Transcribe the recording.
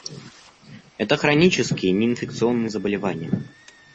Это хронические неинфекционные заболевания.